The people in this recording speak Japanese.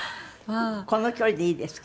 この距離でいいですか？